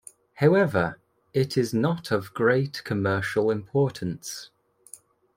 However, it is not of great commercial importance.